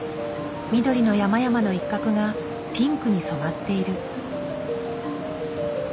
緑の山々の一角がピンクに染まっている。